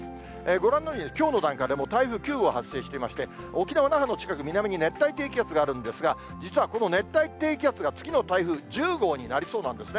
ご覧のようにきょうの段階で台風９号発生していまして、沖縄・那覇の近く、南に熱帯低気圧があるんですが、実はこの熱帯低気圧が次の台風１０号になりそうですね。